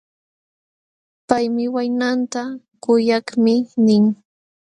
Paymi waynanta: kuyakmi nin.